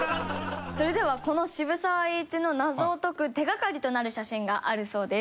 それではこの渋沢栄一の謎を解く手がかりとなる写真があるそうです。